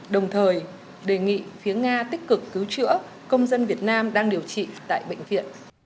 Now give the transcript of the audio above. đồng thời đề nghị phía nga tích cực cứu chữa công dân việt nam đang điều trị tại bệnh viện